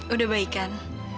udah baik kan